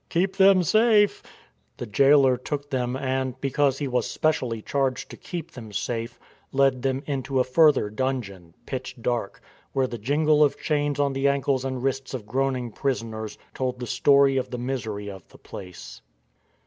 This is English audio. Keep them safe." The jailer took them and, because he was specially charged to keep them safe, led them into a further dungeon, pitch dark, where the jingle of chains on the ankles and wrists of groaning prisoners told the story of the misery of the place.